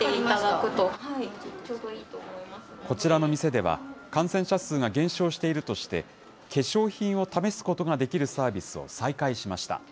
こちらの店では、感染者数が減少しているとして、化粧品を試すことができるサービスを再開しました。